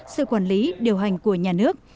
sự quản lý điều hành của nhà nước